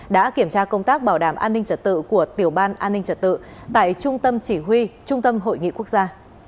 đã kiểm tra công tác bảo đảm an ninh trật tự của tiểu ban an ninh trật tự tại trung tâm chỉ huy trung tâm hội nghị quốc gia